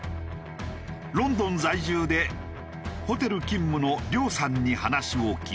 ロンドン在住でホテル勤務のＲｙｏさんに話を聞いた。